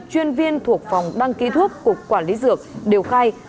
chuyên viên thuộc phòng đăng ký thuốc cục quản lý dược đều khai